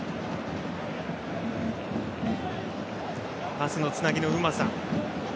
パスのつなぎのうまさ。